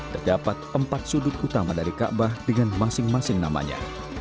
terdapat empat sudut utama dari kaabah dengan masing masing namanya